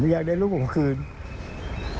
ผมรักการลูกผมคืนใครก็ได้ช่วยผมที